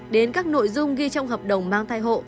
đến các nội dung ghi trong hợp đồng mang thai hộ